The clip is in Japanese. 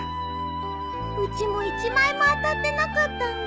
うちも１枚も当たってなかったんだ。